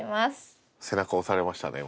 背中を押されましたね